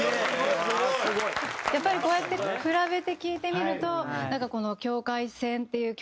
やっぱりこうやって比べて聴いてみるとなんかこの『境界線』っていう曲の世界観